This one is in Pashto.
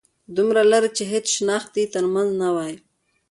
دومره لرې چې هيڅ شناخت يې تر منځ نه وای